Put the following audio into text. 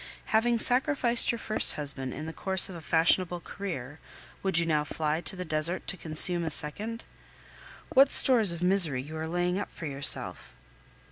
Having sacrificed your first husband in the course of a fashionable career, would you now fly to the desert to consume a second? What stores of misery you are laying up for yourself!